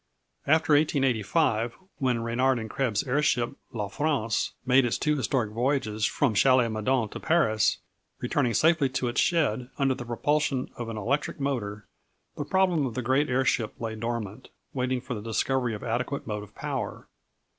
After 1885, when Renard and Krebs' airship La France made its two historic voyages from Chalais Meudon to Paris, returning safely to its shed, under the propulsion of an electric motor, the problem of the great airship lay dormant, waiting for the discovery of adequate motive power.